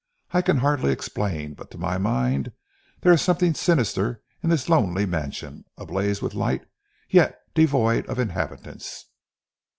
"I can hardly explain. But to my mind, there is something sinister in this lonely mansion, ablaze with light, yet devoid of inhabitants."